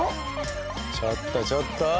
ちょっとちょっと！